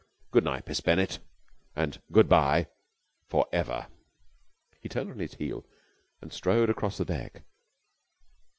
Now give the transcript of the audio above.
Good night, Miss Bennett. And good bye for ever." He turned on his heel and strode across the deck.